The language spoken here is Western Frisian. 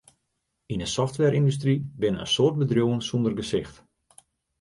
Yn 'e softwareyndustry binne in soad bedriuwen sonder gesicht.